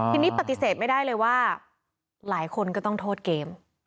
ทีนี้ปฏิเสธไม่ได้เลยว่าหลายคนก็ต้องโทษเกม